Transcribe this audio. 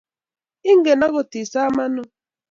Inge iget isaa iman ooh